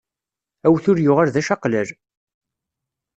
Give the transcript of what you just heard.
Awtul yuɣal d ačaqlal.